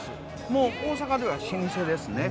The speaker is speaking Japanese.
もう大阪では老舗ですね。